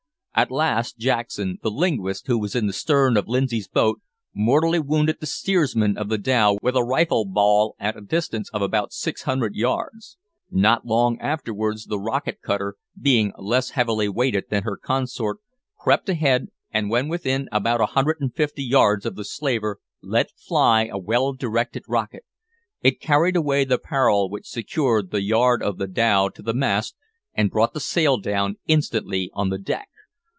At last Jackson, the linguist who was in the stern of Lindsay's boat, mortally wounded the steersman of the dhow with a rifle ball at a distance of about six hundred yards. Not long afterwards the rocket cutter, being less heavily weighted than her consort, crept ahead, and when within about a hundred and fifty yards of the slaver, let fly a well directed rocket. It carried away the parrell which secured the yard of the dhow to the mast and brought the sail down instantly on the deck.